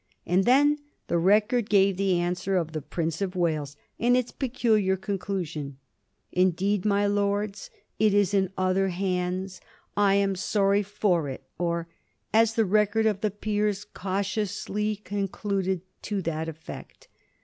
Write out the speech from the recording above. And then the record gave the answer of the Prince of Wales and its peculiar conclu sion: *^ Indeed, my lords, it is in other hands — ^I am sorry for it ;"" or," as the record of the peers cautiously con cluded, " to that effect."